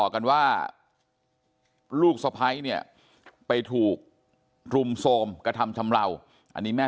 กันว่าลูกสะพ้ายเนี่ยไปถูกรุมโทรมกระทำชำเลาอันนี้แม่